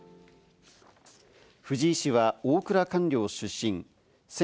藤井氏は大蔵官僚出身。